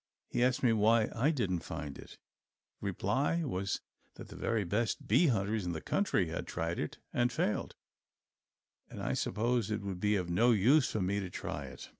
He asked me why I didn't find it. The reply was that the very best bee hunters in the country had tried it and failed and I supposed it would be of no use for me to try it.